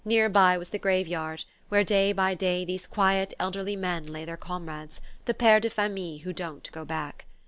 Near by was the grave yard, where day by day these quiet elderly men lay their comrades, the peres de famille who don't go back.